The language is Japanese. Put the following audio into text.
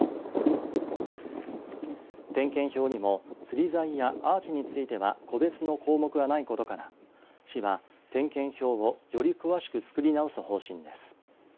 点検表にもつり材やアーチについては個別の項目がないことから市は点検表をより詳しく作り直す方針です。